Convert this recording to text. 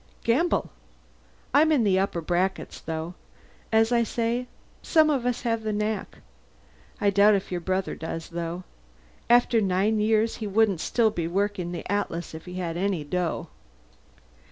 "Gamble. I'm in the upper brackets, though. As I say: some of us have the knack. I doubt if your brother does, though. After nine years he wouldn't still be working the Atlas if he had any dough."